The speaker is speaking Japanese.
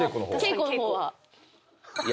稽古の方は。